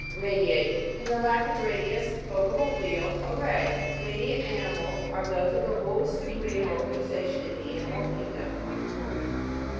RA'DIATE. From the Latin, radius, spoke of a wheel, a ray. Radiate animals are those of the lowest degree of organization in the ani mal kingdom.